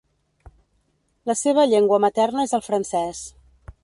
La seva llengua materna és el francès.